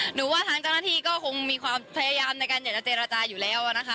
หนูว่าทางจักรหน้าที่ก็คงมีความพยายามในการเจรจาอยู่แล้วนะคะ